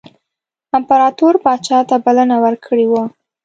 امپراطور پاچا ته بلنه ورکړې وه.